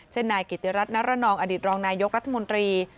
เช่นนายกิติรัฐนรนองอรรัฐมนตรี